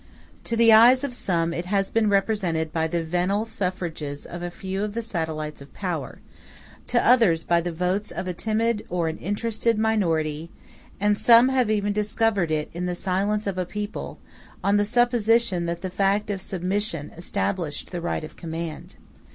To the eyes of some it has been represented by the venal suffrages of a few of the satellites of power; to others by the votes of a timid or an interested minority; and some have even discovered it in the silence of a people, on the supposition that the fact of submission established the right of command.